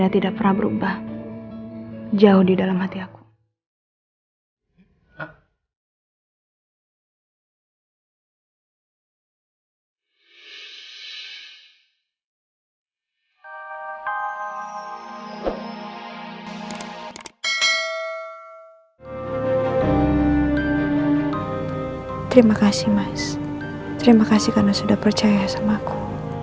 terima kasih karena sudah percaya sama aku